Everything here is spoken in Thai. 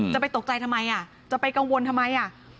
จะไปตกใจทำไมจะไปกังวลทำไม